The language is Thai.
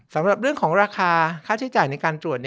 สำหรับเรื่องของราคาค่าใช้จ่ายในการตรวจ